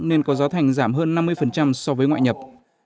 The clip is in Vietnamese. nên có gió thành giảm hơn năm mươi so với ngoại nhập